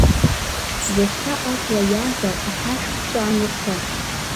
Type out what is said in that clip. Иахьа аҵла ҩазар, аԥашә ԥҵәан иацы.